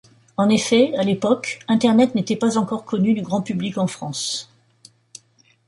En effet, à l'époque, Internet n'était pas encore connu du grand public en France.